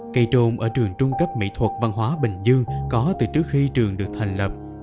cây trôn ở trường trung cấp mỹ thuật văn hóa bình dương có từ trước khi trường được thành lập